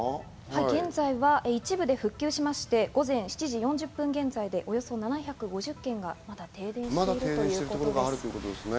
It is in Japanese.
現在は一部で復旧しまして、午前７時４０分現在でおよそ７５０軒が停電しているということです。